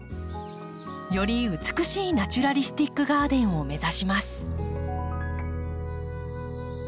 より美しいナチュラリスティック・ガーデンを目指します。